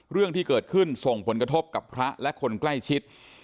เรื่องที่เกิดขึ้นส่งผลกระทบกับพระและคนใกล้ชิด